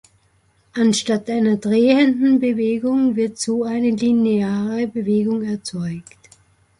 Anstatt einer drehenden Bewegung wird so eine lineare Bewegung erzeugt.